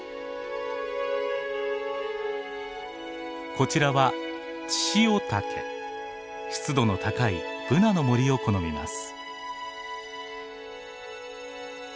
こちらは湿度の高いブナの森を好みます。